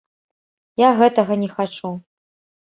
Я гэтага не хачу.